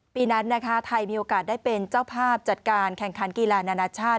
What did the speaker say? ปีนั้นนะคะไทยมีโอกาสได้เป็นเจ้าภาพจัดการแข่งขันกีฬานานาชาติ